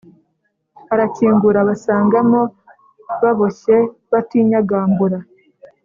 arakingura abasangamo baboboshye batinyagambura